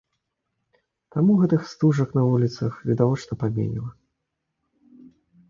Таму гэтых стужак на вуліцах відавочна паменела.